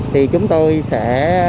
thì chúng tôi sẽ